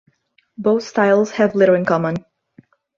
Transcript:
Both styles have little in common.